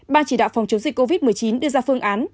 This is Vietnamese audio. ban chỉ đạo phòng chống dịch covid một mươi chín đưa ra phương án